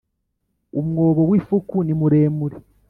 Umwobo wifuku nimuremure.